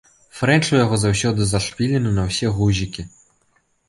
Фрэнч у яго заўсёды зашпілены на ўсе гузікі.